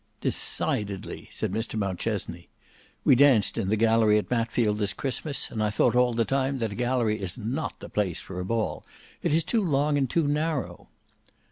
"Decidedly," said Mr Mountchesney. "We danced in the gallery at Matfield this Christmas, and I thought all the time that a gallery is not the place for a ball; it is too long and too narrow."